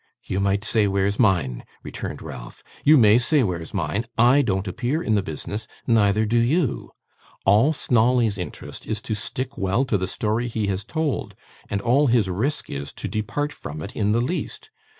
'You might say where's mine!' returned Ralph; 'you may say where's mine. I don't appear in the business, neither do you. All Snawley's interest is to stick well to the story he has told; and all his risk is, to depart from it in the least.